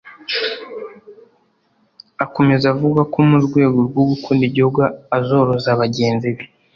Akomeza avuga ko mu rwego rwo gukunda igihugu azoroza bagenzi be